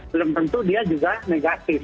belum tentu dia juga negatif